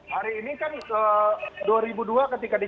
hari ini kan dua ribu dua ketika di